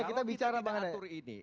itu yang kita atur ini